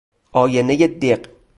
آینۀ دق